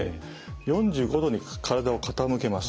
４５度に体を傾けます。